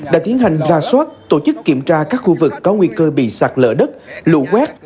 đã tiến hành ra soát tổ chức kiểm tra các khu vực có nguy cơ bị sạt lỡ đất lũ quét